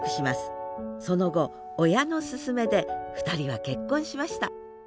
その後親の勧めで２人は結婚しました